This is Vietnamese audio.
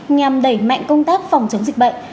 nhằm đẩy mạnh công tác phòng chống dịch bệnh